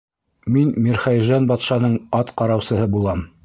Мин Мирхәйжән батшаның ат ҡараусыһы булам.